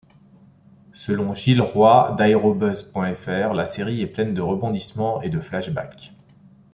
Selon Gil Roy d'Aerobuzz.fr la série est pleine de rebondissements et de flash-backs.